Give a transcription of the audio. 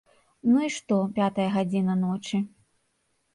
Ну і што пятая гадзіна ночы.